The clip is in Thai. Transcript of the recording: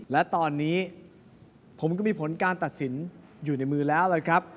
และตอนนี้ผมก็มีผลการตัดสินอยู่ในมือแล้วนะครับ